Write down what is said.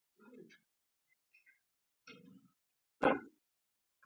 ازادي راډیو د سوداګریز تړونونه د نړیوالو نهادونو دریځ شریک کړی.